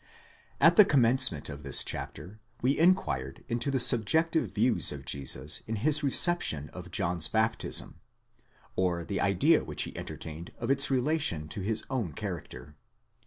At the commencement of this chapter, we enquired into the subjective views of Jesus in his reception of John's baptism, or the idea which he enter tained of its relation to his own character.